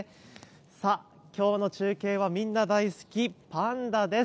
今日の中継はみんな大好きパンダです。